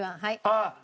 ああ！